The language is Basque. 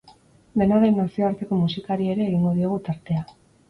Dena den, nazioarteko musikari ere egingo diogu tartea.